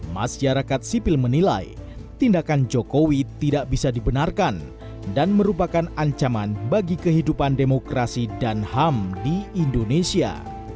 masyarakat sipil menilai tindakan jokowi tidak bisa dibenarkan dan merupakan ancaman bagi kehidupan demokrasi dan ham di indonesia